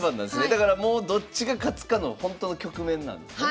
だからもうどっちが勝つかのほんとの局面なんですね。